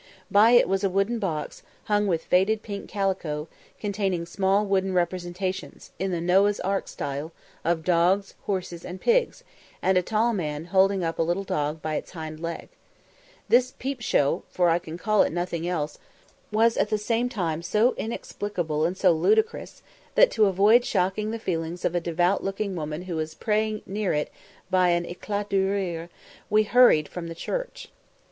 By it was a wooden box, hung with faded pink calico, containing small wooden representations, in the Noah's ark style, of dogs, horses, and pigs, and a tall man holding up a little dog by its hind legs. This peep show (for I can call it nothing else) was at the same time so inexplicable and so ludicrous, that, to avoid shocking the feelings of a devout looking woman who was praying near it by an "éclat de rire," we hurried from the church.